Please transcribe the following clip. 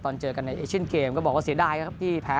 เจอกันในเอเชียนเกมก็บอกว่าเสียดายนะครับที่แพ้